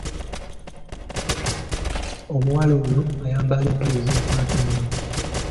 Omuwala oyo ayambala empale ezimukwata ennyo.